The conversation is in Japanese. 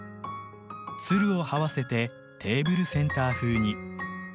ツルを這わせてテーブルセンター風に。